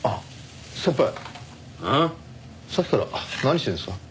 さっきから何してるんですか？